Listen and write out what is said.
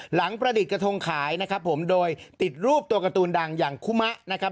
ประดิษฐ์กระทงขายนะครับผมโดยติดรูปตัวการ์ตูนดังอย่างคุมะนะครับ